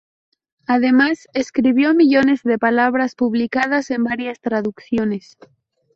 Además, escribió millones de palabras publicadas en varias traducciones.